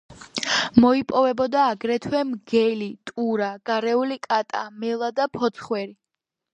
მოიპოვებოდა აგრეთვე მგელი, ტურა, გარეული კატა, მელა და ფოცხვერი.